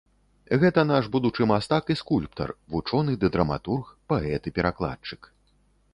Гэта наш будучы мастак і скульптар, вучоны ды драматург, паэт і перакладчык.